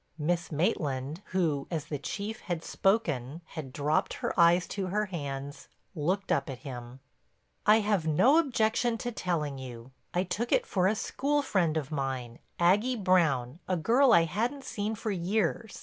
Miss Maitland, who, as the Chief had spoken, had dropped her eyes to her hands, looked up at him: "I have no objection to telling you. I took it for a school friend of mine—Aggie Brown, a girl I hadn't seen for years.